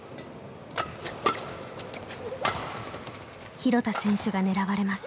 廣田選手が狙われます。